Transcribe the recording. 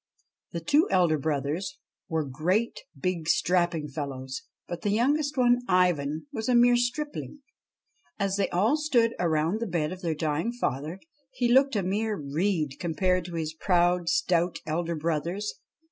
The two elder brothers were great big, strapping fellows, but the youngest one, Ivan, was a mere stripling. As they all stood around the bed of their dying father, he looked a mere reed compared to his proud, stout, elder brothers.